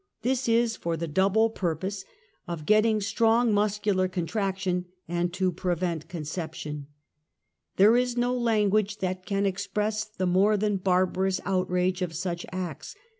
This is for the double purpose of 108 UNMASKED. I /getting strong muscular contraction, and to ]3revent conception. There is no language that can express the more than barbarous outrage of such acts.